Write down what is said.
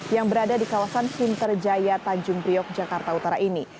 yang berada di kawasan sunter jaya tanjung priok jakarta utara ini